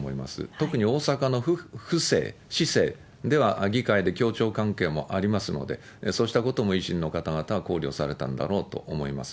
特に大阪の府政、市政では、議会で協調関係もありますので、そうしたことも維新の方々は考慮されたんだろうと思います。